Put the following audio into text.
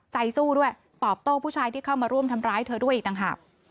ใจสู้ด้วยตอบโต้ผู้ชายที่เข้ามาร่วมทำร้ายเธอด้วยอีกต่างหาก